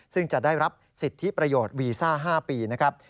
ซึ่งจะได้รับสิทธิประโยชน์วีซ่า๕ปีนะครับ